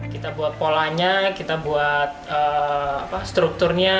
kita buat polanya kita buat strukturnya